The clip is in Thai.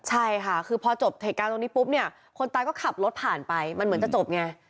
ใช่ค่ะคือพอจบเหตุการณ์ตรงนี้ปุ๊บเนี่ยคนตายก็ขับรถผ่านไปมันเหมือนจะจบไง